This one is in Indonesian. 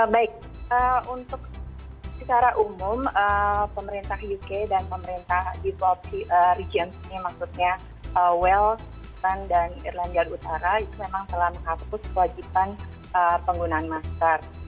baik untuk secara umum pemerintah uk dan pemerintah di region ini maksudnya wales dan irlanda utara itu memang telah menghapus kewajiban penggunaan masker